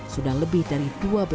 sudah lebih dari dua belas